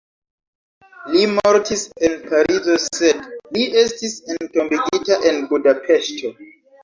Li mortis en Parizo, sed li estis entombigita en Budapeŝto.